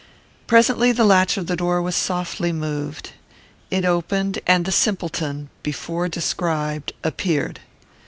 Presently the latch of the door was softly moved: it opened, and the simpleton, before described, appeared.